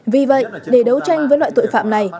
vì vậy để đấu tranh với loại tội phạm này